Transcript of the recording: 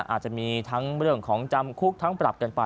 อาจจะมีทั้งเรื่องของจำคุกทั้งปรับกันไป